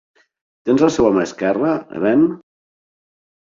Tens la seva mà esquerra, Helene?